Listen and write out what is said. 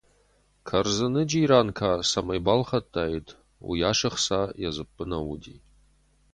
Кӕрдзыны джиранка цӕмӕй балхӕдтаид, уыйас ӕхца йӕ дзыппы нӕ уыди.